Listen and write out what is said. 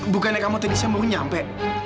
bukannya kamu tadi saja baru nyampe